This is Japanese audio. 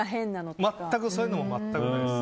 そういうのも全くない。